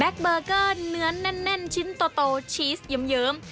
แบ็คเบอร์เกอร์เนื้อนแน่นชิ้นโตโตชีสเย็ม